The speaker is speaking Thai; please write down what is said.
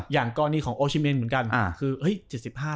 อย่างก็อันนี้ของโอชิเมนเหมือนกัน